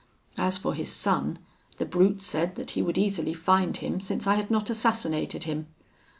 As for his son, the brute said that he would easily find him, since I had not assassinated him.